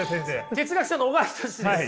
哲学者の小川仁志です。